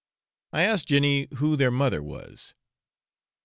I asked Jenny who their mother was.